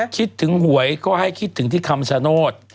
คิดถึงหวยก็ให้คิดถึงที่คำชโนธ